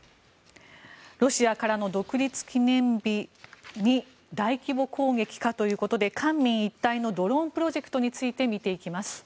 ロシアからの独立記念日に大規模攻撃かということで官民一体のドローンプロジェクトについて見ていきます。